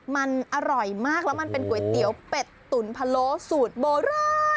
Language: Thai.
มันอร่อยมากแล้วมันเป็นก๋วยเตี๋ยวเป็ดตุ๋นพะโล้สูตรโบราณ